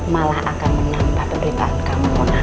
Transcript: malah akan menambah penderitaan kamu mona